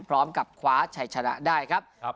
พร้อมกับคว้าชัยชนะได้ครับ